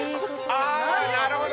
あなるほど！